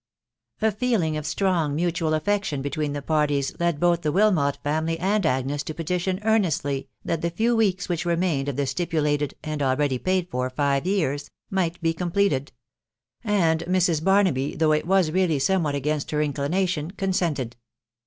A feeling of strong mutual affection between the parties led both the Wilmot family and Agnes to petition earnestly that the few weeks which remained of the stipulated (and already paid for) five years, might be completed ; and Mrs. Barnaby, though it was really somewhat against her inclination, consented.